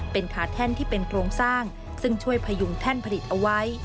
เป็นขาแท่นที่เป็นโครงสร้างซึ่งช่วยพยุงแท่นผลิตเอาไว้